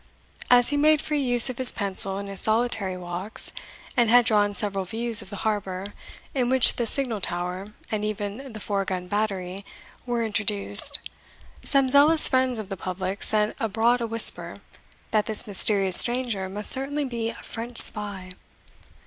As he made free use of his pencil in his solitary walks, and had drawn several views of the harbour, in which the signal tower, and even the four gun battery, were introduced, some zealous friends of the public sent abroad a whisper, that this mysterious stranger must certainly be a French spy.